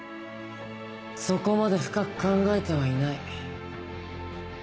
そこまで深く考えてはいない。